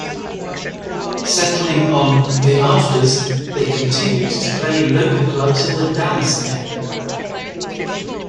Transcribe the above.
Settling on "The Afters", they continued to play local clubs in the Dallas area.